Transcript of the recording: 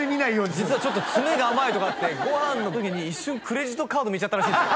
実は詰めが甘いとこあってご飯の時に一瞬クレジットカード見ちゃったらしいんですよ